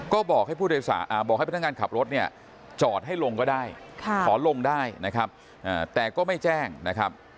ก็บอกให้พนักงานขับรถเนี่ยจอดให้ลงก็ได้ขอลงได้นะครับแต่ก็ไม่แจ้งนะครับ